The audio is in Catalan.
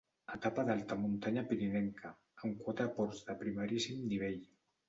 Etapa d'alta muntanya pirinenca, amb quatre ports de primeríssim nivell.